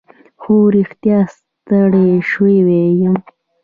خو رښتیا ستړی شوی یم.